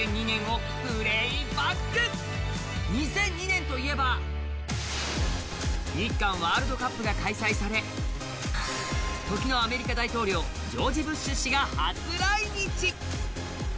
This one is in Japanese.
２００２年といえば日韓ワールドカップが開催され時のアメリカ大統領ジョージ・ブッシュ氏が初来日。